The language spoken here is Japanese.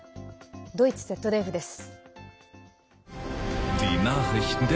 ドイツＺＤＦです。